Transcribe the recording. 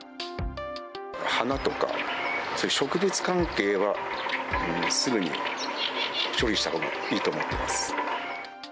花とか植物関係は、すぐに処理したほうがいいと思ってます。